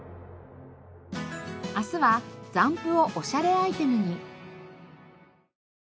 明日は残布をおしゃれアイテムに。